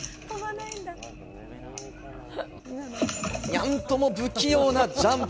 ニャンとも不器用なジャンプ！